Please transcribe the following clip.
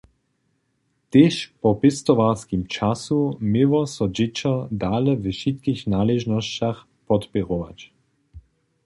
Tež po pěstowarskim času měło so dźěćo dale we wšitkich naležnosćach podpěrować.